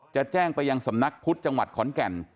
แจ้งไปยังสำนักพุทธจังหวัดขอนแก่น